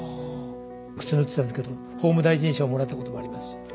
靴縫ってたんですけど法務大臣賞もらったこともありますし。